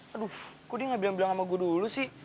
aduh kok dia gak bilang bilang sama gue dulu sih